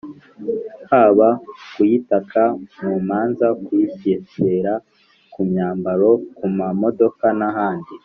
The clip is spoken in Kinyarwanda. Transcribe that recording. haba kuyitaka mu maza kushyishyira ku myambaro, ku ma modoka n'ahandi